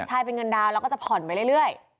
ใช่เป็นเงินดาวน์แล้วก็จะผ่อนไปเรื่อย